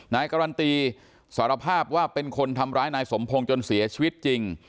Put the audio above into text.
นายการันตีสารภาพว่าเป็นคนทำร้ายนายสมพงศ์จนเสียชีวิตจริง